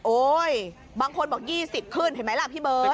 บางคนบอก๒๐ขึ้นเห็นไหมล่ะพี่เบิร์ต